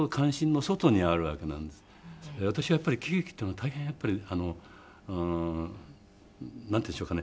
私はやっぱり喜劇っていうのは大変なんていうんでしょうかね